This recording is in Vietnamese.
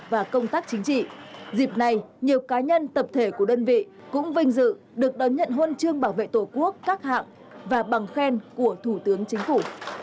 và công tác chính trị dịp này nhiều cá nhân tập thể của đơn vị cũng vinh dự được đón nhận huân chương bảo vệ tổ quốc các hạng và bằng khen của thủ tướng chính phủ